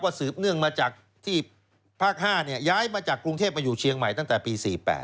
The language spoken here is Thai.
สืบเนื่องมาจากที่ภาค๕ย้ายมาจากกรุงเทพมาอยู่เชียงใหม่ตั้งแต่ปี๔๘